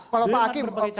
kalau pak hakim